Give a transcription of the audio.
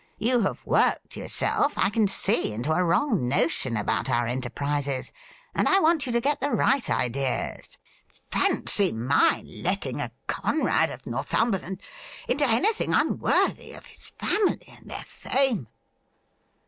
You have worked yourself, I can see, into a wrong notion about our enterprises, and I want you to get the right ideas. Fancy my letting a Conrad of Northumberland into anything unworthy of his family and their fame